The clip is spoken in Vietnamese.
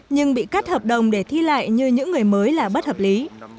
nhưng bị cắt hợp đồng để thi lại như những người mới là bất hợp lý